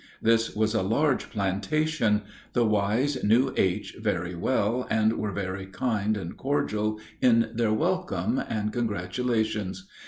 This was a large plantation; the Y.'s knew H. very well, and were very kind and cordial in their welcome and congratulations.